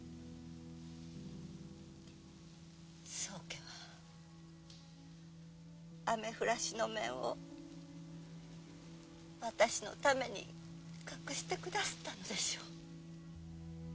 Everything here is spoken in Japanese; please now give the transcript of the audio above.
宗家は雨降らしの面を私のために隠してくだすったのでしょう？